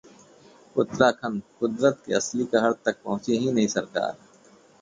उत्तराखंड: कुदरत के असली कहर तक पहुंची ही नहीं सरकार